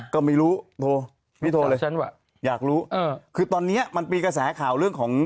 ก็ไม่รู้โทรไม่โทรเลยฉันว่ะอยากรู้เออคือตอนเนี้ยมันมีกระแสข่าวเรื่องของ